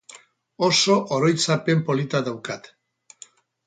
Oso oroitzapen polita daukat.